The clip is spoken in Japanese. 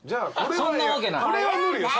そんなわけない。